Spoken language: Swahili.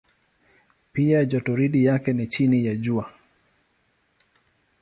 Pia jotoridi yake ni chini ya Jua.